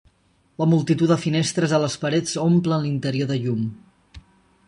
La multitud de finestres a les parets omplen l'interior de llum.